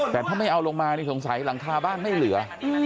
ถ้าไม่เอาลงไม่มีหลังคาบ้านให้เหลือ